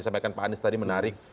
sampaikan pak anies tadi menarik